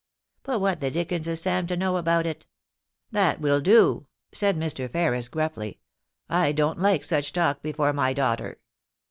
But what the dickens is Sam to know about it ?'* That will do,' said Mr. Ferris, gruffly. ' I don't like such talk before my daughter.